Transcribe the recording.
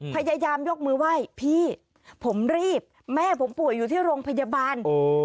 พยายามยกมือไหว้พี่ผมรีบแม่ผมป่วยอยู่ที่โรงพยาบาล